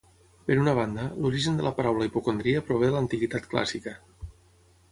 Per una banda, l'origen de la paraula hipocondria prové de l'antiguitat clàssica.